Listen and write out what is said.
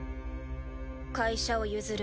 会社を譲る。